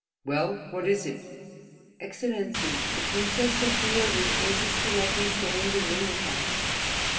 "Well? What is it?" "Excellency: the Princess Sofia refuses to let me stay in the room with her."